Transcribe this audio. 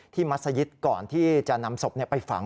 มัศยิตก่อนที่จะนำศพไปฝัง